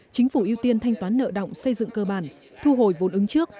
chính phủ ưu tiên thanh toán nợ động xây dựng cơ bản thu hồi vốn ứng trước